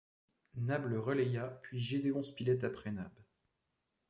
Nab le relaya, puis Gédéon Spilett après Nab